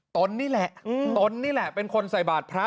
ตนนี่แหละตนนี่แหละเป็นคนใส่บาทพระ